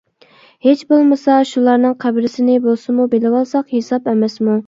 ھېچ بولمىسا شۇلارنىڭ قەبرىسىنى بولسىمۇ بىلىۋالساق ھېساب ئەمەسمۇ.